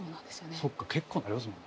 そっか結構な量っすもんね。